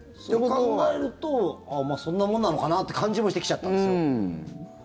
そう考えるとそんなもんなのかなという感じもしてきちゃったんですね。